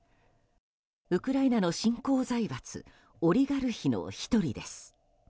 ウクライナの新興財閥オリガルヒの１人です。